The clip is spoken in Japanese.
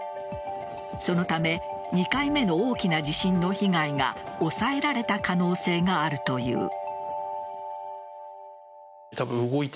そのため２回目の大きな地震の被害が抑えられた可能性があるという。